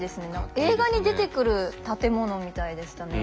映画に出てくる建物みたいでしたね。